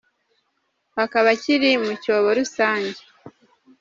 Akaba akiri mu cyobo rusange !